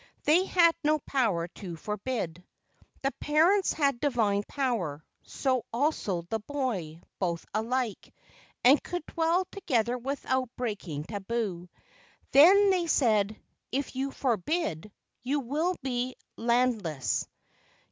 They had no power to forbid. The parents had divine power, so also the boy, both alike, and could dwell together without breaking tabu. Then they said, "If you forbid, you will be land¬ less."